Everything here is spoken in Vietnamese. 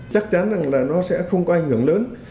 chắc chắn rằng là nó sẽ không có ảnh hưởng lớn